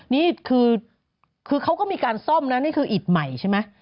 นี่คือเขาก็มีการซ่อมนะนี่คืออิดใหม่ใช่ไหม